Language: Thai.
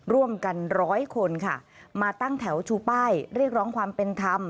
ร่วมกันร้อยคนค่ะมาตั้งแถวชูป้ายเรียกร้องความเป็นธรรม